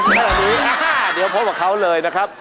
ถ้าอย่างนี้อ้าวเดี๋ยวพบกับเขาเลยนะครับ